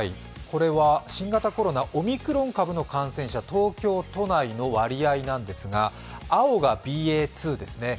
これは新型コロナオミクロン株の感染者東京都内の割合ですが青がＢＡ．２ですね。